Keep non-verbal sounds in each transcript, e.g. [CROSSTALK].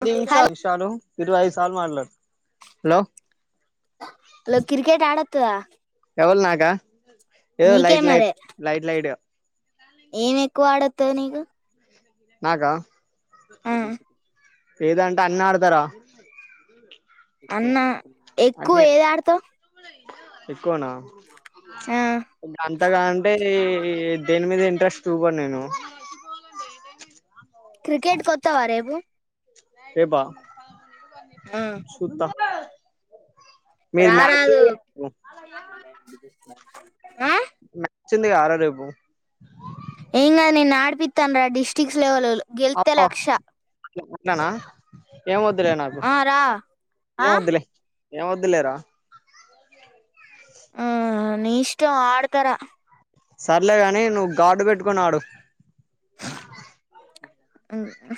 అది విష హలో విషాలు ఇరవైఐదు సార్లు మాట్లాడ హలో క్రికెట్ ఆడతు ఎవరు నాకా ఏదో లైట్ మరే లైట్ లైట్ లైట్ గా ఏం ఎక్కువ ఆడతది నీకు నాకా ఆ లేదంటే అన్ని ఆడతారా అన్నా ఎక్కువ ఏది ఆడతావ్ కోనా ఆ అంతగా అంటే దేని మీద ఇంట్రెస్ట్ చూపను నేను క్రికెట్ కొత్తావ రేపు ఏబా ఆ సుత రారాదు ఆ వచ్చిందిగా ఆరో రేపు ఏంకాదు నిన్ను ఆడిపిస్తా డిస్ట్రిక్ట్ లెవెల్స్లో ఆప్ కొట్నానా ఏమొద్ వద్దులే నాకు ఆ రా ఆ ఏం వద్దులే ఏం వద్దులేరా ఆ నీ ఇష్టం ఆడతార సర్లేగాని నువ్వు గార్డు పెట్టుకుని ఆడు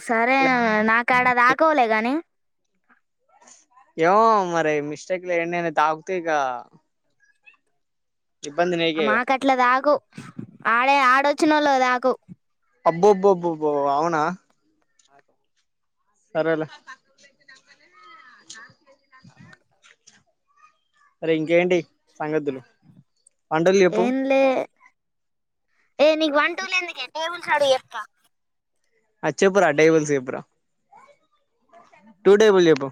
సరే నాక ఆడా దాకోవలే గాని ఏమో మరి మిస్టేక్ లో ఎన్నైనాయి తాగుకే గా ఆ మాక అట్ల దాకు ఆడే ఆడొచ్చిన వాళ్ళు దాకు అబ్బోబ్బుబ్బబ్బ అవునా అ సరేలే మరే ఇంకేంటి సంగతులు వంటలు చెప్పు ఏం లే ఏ నీకు వన్ టూల్ ఎందుకే టేబుల్స్ అడుగు చెప్తా అ చెపురా టేబుల్స్ చెపురా టు టేబుల్ చెప్పు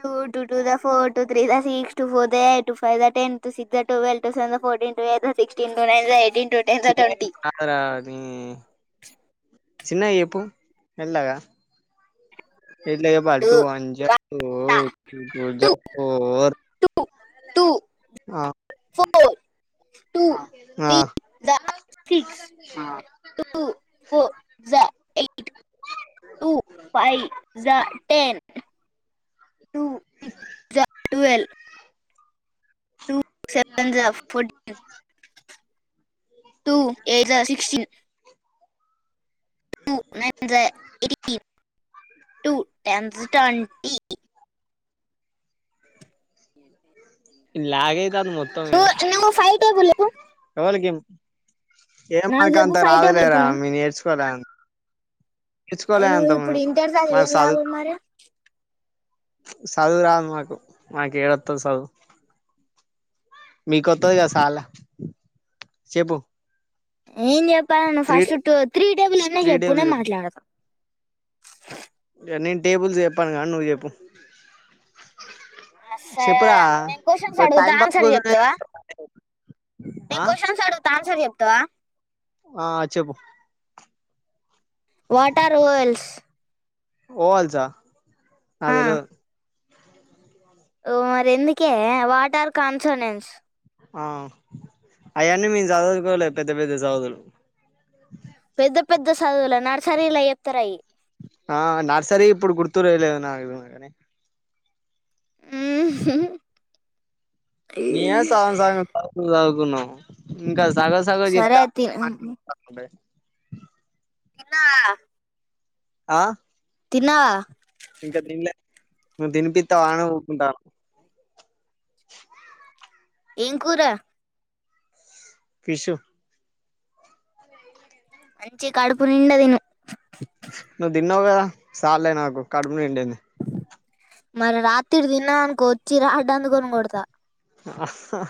టు టూ జా ఫోర్, టూ త్రీ జా సిక్స్, టూ ఫోర్ జా ఎయిట్, టు ఫైవ్ జా టెన్, టు సిక్స్ జా టూవల్, టు సివన్ జా ఫోటీన్. టు ఎయిట్ జా సిక్స్టీన్ టు నైన్ జా ఎయిటీన్ చిన్ని కాదరా మ్ చిన్నగ చెప్పు మెళ్ళగా ఎట్ల చెప్పు టు వన్ జా టు పూజా ఫోర్ ఆ పై జ టెన్ టు సిక్స్ జా టువల్వ్ టూ సెవెన్ జా ఫర్టీన్ టూ ఏయిట్ జా సిక్స్టీన్ టూ నైన్ జా ఎయిటీన్ టూ టెన్ జా ట్వంటీ లాగ్ అయితాంది మొత్తం ఈడ ను నువ్వు ఫైవ్ టేబుల్ చెప్పు ఏ నాకు మనక చెప్పు అంత ఫైవ్ టేబుల్ చెప్పు రాదులేరా నువ్వు మీరు నేర్చుకోలే తెచ్చుకోలే నువ్వు అంత మ ఇప్పుడు ఇంటర్ చదివి మాకు ఏం సదు లాభం మరి చదువు రాదు మాకు మాకు ఏడ వత్తది చదువు మీకొత్తది కదా చాల్లే చెప్పు ఏం చెప్పాల నువ్వు three first two three table అన్నా త్రీ చెప్పు టేబుల్ నే మాట్లాడతా నేను టేబుల్స్ చెప్పను కాని నువ్వు చెప్పు చెప్పరా సరే నేను క్వశ్చన్స్ అడుగుతా టైం పాస్ కోసం చేత్ ఏ క్వశ్చన్స్ అడుగుతా ఆన్సర్ చెప్తావా ఆ చెప్పు వాటర్ ఓవల్స్ ఓవల్చ నా తెల్వదు ఓ మరి ఎందుకే వాట్ ఆర్ కాన్సనెన్స్ ఆ అయన్నీ మేము చదువులుకోలే పెద్ద పెద్ద చదువులు పెద్ద పెద్ద చదువులు నరసరిలా చెప్తారయి ఆ నర్సరీ ఇప్పుడు గుర్తు వెేలేదు నాకుగానే ఊ హు ఏ సగం సాగం తకు లు తాగుకున్నాం ఇంకా సగం సగం చెప్త సరే తిన ఎన్న ఆ తిన్నావ ఇంకా తిన్లే నువు తినిపిత వానీ ఊకుంట ఏం కూర ఫిషూ మంచి కడుపు నిండా తిను నువ్వు తిన్నావు కదా సాల్ లే నాకు కడుపు నిండింది మరి రాత్రి తిన్నా అనుకో వచ్చీ రీడ్ అందుకొని కొడతా అహహా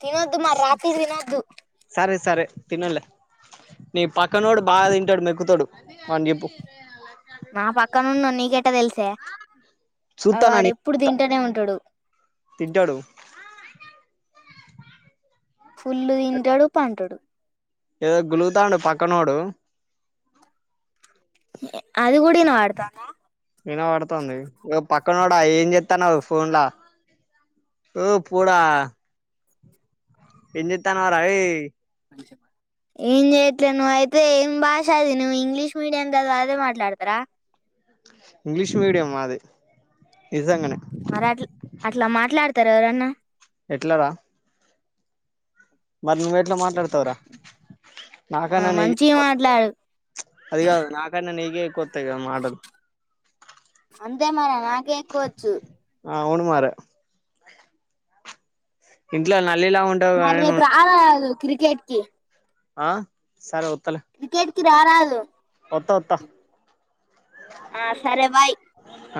తినొద్దు మరి రాత్రి తినొద్దు తినాన్లే నీ పక్కనోడు బాగా తింటాడు మెక్కుతాడు వాని చెప్పు నా పక్కనున్న నీకటా తెలుసే ఆ వాడ చూస్తానని ఎప్పుడు తింటనే ఉంటాడు తింటాడు ఫుల్ తింటాడు పాంటాడు ఏదో గులుగుతాండూ పక్కనోడు అది కూడా వినపడతంద వినబాడుతుంది ఓ పక్కన కూడా ఏం చేతనవ్ ఫోన్లా ఓ పొడా ఏం చెతాన్నార అవి ఏం చెయట్లే నువ్వు అయితే ఏం భాష అది నువ్వు ఇంగ్లీష్ మీడియం కదా అదే మాట్లాడతార ఇంగ్లీష్ మీడియం మాది నిజంగానే మరి అట్ అట్లా మాట్లాడతారు ఎవరన్నా ఎట్లార మరి నువ్వ ఎట్లా మాట్లాడతావరా ఆ నాకనా మంచిగా మాట్లాడు [INAUDIBLE] అది కాద్ రా నా కన్నా నీకే ఎక్కువ వతాయ్ కా మాటలు అంతే మర నాకే ఎక్కోచ్చు అవును మరే ఇంట్లా మరి రేపు రారాదు క్రికెట్కి ఆ సరే ఒత్తలే కి రారాజు ఒత్త ఓత్త ఆ సరే బాయ్